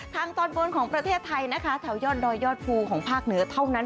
ทางตอนบนของประเทศไทยนะคะแถวยอดดอยยอดภูของภาคเหนือเท่านั้น